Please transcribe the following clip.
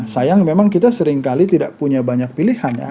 sayang memang kita seringkali tidak punya banyak pilihan ya